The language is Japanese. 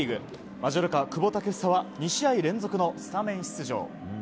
マジョルカ、久保建英は２試合連続のスタメン出場。